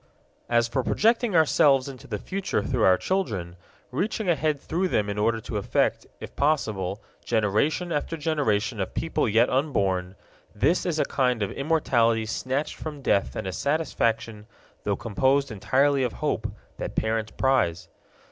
As for projecting ourselves into the future through our children, reaching ahead through them in order to affect, if possible, generation after generation of people yet unborn this is a kind of immortality snatched from death and a satisfaction, though composed entirely of hope, that parents prize.